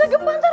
bisa gempa ntar